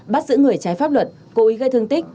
bắt giữ người trái pháp luật cố ý gây thương tích